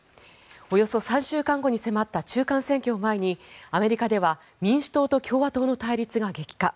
およそ３週間後に迫った中間選挙を前にアメリカでは民主党と共和党の対立が激化。